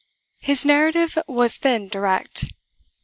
His narrative was then direct.